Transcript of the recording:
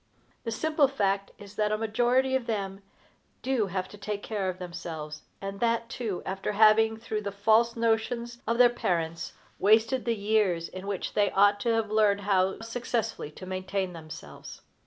The simple fact is that a majority of them do have to take care of themselves, and that, too, after having, through the false notions of their parents, wasted the years in which they ought to have learned how successfully to maintain themselves.